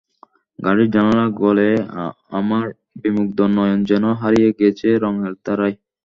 গাড়ির জানালা গলে আমার বিমুগ্ধ নয়ন যেন হারিয়ে গেছে রঙের ধারায়।